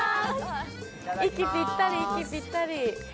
息ぴったり、息ぴったり。